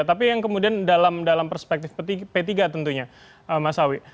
tapi yang kemudian dalam perspektif p tiga tentunya mas awi